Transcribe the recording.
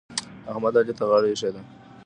احمد؛ علي ته غاړه ايښې ده.